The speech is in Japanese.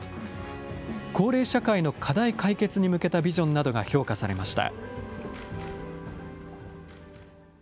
高齢社会の課題解決に向けたビジョンなどが評価されました。